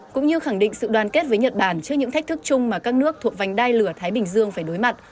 cũng như khẳng định sự đoàn kết với nhật bản trước những thách thức chung mà các nước thuộc vành đai lửa thái bình dương phải đối mặt